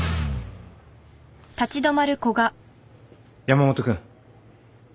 山本君。